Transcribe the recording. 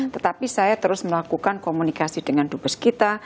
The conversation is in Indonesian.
tetapi saya terus melakukan komunikasi dengan dubes kita